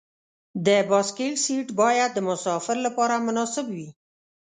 د بایسکل سیټ باید د مسافر لپاره مناسب وي.